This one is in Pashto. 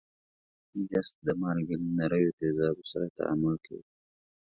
جست د مالګې له نریو تیزابو سره تعامل کوي.